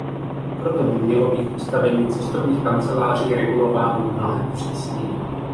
Proto by mělo být postavení cestovních kanceláří regulováno mnohem přísněji.